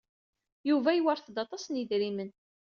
Yuba yewṛet-d aṭas n yedrimen.